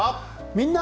「みんな！